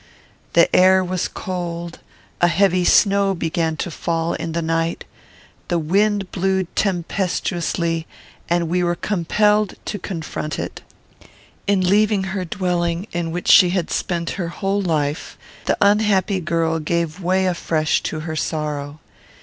The air was cold; a heavy snow began to fall in the night; the wind blew tempestuously; and we were compelled to confront it. In leaving her dwelling, in which she had spent her whole life, the unhappy girl gave way afresh to her sorrow.